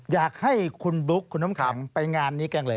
อยากให้คุณบุ๊คคุณน้ำขำไปงานนี้กันเลย